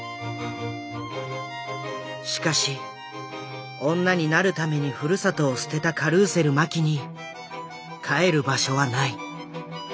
しかし女になるためにふるさとを捨てたカルーセル麻紀に帰る場所はない。